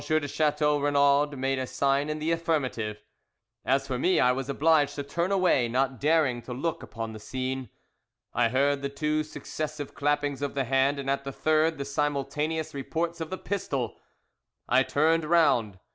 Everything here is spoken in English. de Chateau Renaud made a sign in the affirmative. As for me I was obliged to turn away, not daring to look upon the scene. I heard the two successive clappings of the hands, and at the third the simultaneous reports of the pistols. I turned round.